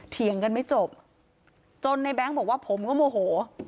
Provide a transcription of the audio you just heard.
เถียงกันไม่จบจนในแบงค์บอกว่าผมก็โมโห